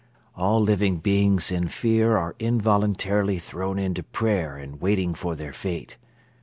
All living beings in fear are involuntarily thrown into prayer and waiting for their fate.